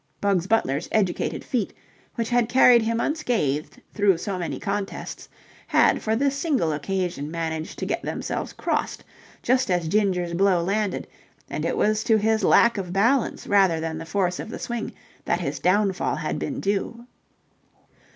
Bugs Butler's educated feet, which had carried him unscathed through so many contests, had for this single occasion managed to get themselves crossed just as Ginger's blow landed, and it was to his lack of balance rather than the force of the swing that his downfall had been due.